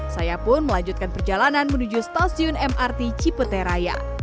saya pun melanjutkan perjalanan menuju stasiun mrt cipeteraya